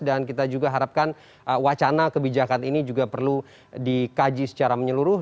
dan kita juga harapkan wacana kebijakan ini juga perlu dikaji secara menyeluruh